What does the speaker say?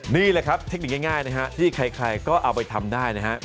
นี่แหละครับเทคนิคง่ายนะฮะที่ใครก็เอาไปทำได้นะครับ